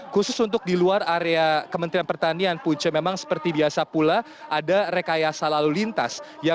khusus untuk di luar area kementerian pertanian punca memang seperti biasa pula ada rekayasa lalu lintas